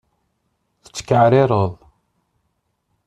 Tettkaɛrireḍ?